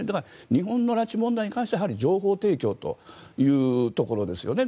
日本の拉致問題に関しては情報提供というところですよね。